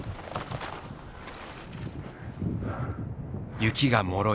雪がもろい。